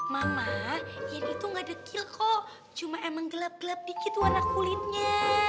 mama yadid tuh gak dekil kok cuma emang gelap gelap dikit warna kulitnya